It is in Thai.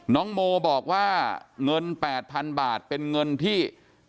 น้องโมบอกว่าเงิน๘๐๐๐บาทเป็นเงินที่